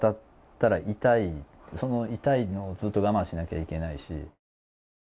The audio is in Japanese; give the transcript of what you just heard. その痛いのをずっと我慢しなきゃいけないし。